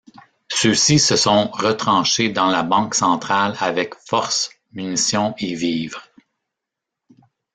Ceux-ci se sont retranchés dans la Banque centrale avec force munitions et vivres.